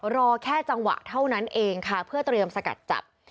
รอแค่จังหวะเท่านั้นเองค่ะเพื่อเตรียมสกัดจับ